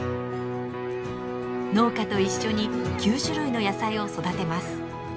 農家と一緒に９種類の野菜を育てます。